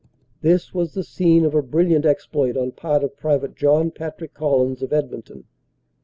This was the scene of a brilliant exploit on part of Pte. John Patrick Collins of Edmonton.